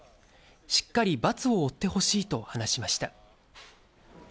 しっかり罰を負ってほしいと話しました。